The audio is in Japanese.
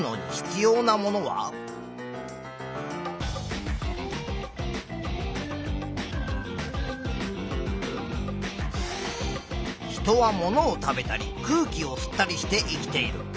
人はものを食べたり空気を吸ったりして生きている。